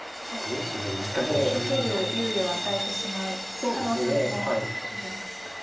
受ける猶予を与えてしまう可能性もありますか。